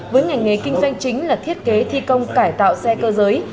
với ngành nghề kinh doanh chính là thiết kế thi công cải tạo xe cơ giới